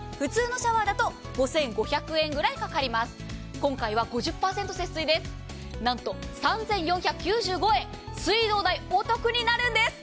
今回は５０％節水です、なんと３４９５円、水道代お得になるんです。